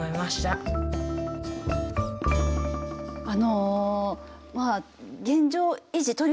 あのまあ現状維持